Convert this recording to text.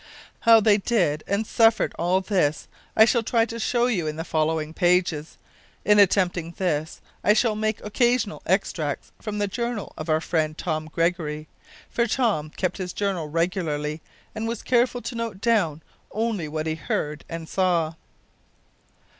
How they did and suffered all this I shall try to show in the following pages. In attempting this I shall make occasional extracts from the journal of our friend Tom Gregory, for Tom kept his journal regularly, and was careful to note down only what he heard and saw.